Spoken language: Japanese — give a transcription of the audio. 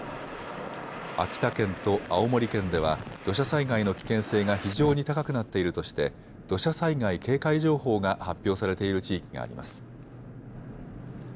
秋田県と青森県では土砂災害の危険性が非常に高くなっているとして土砂災害警戒情報が発表されている地域があります。